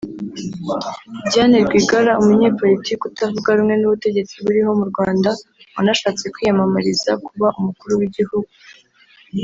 Diane Rwigara umunyepolitiki utavuga rumwe n’ubutegetsi buriho mu Rwanda wanashatse kwiyamamariza kuba Umukuru w’Iguhugu